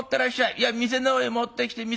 いや店のほうへ持ってきて。